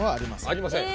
ありません。